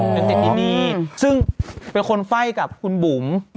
อ๋อเป็นติดที่นี้ซึ่งเป็นคนไฟ่กับคุณบุ๋ม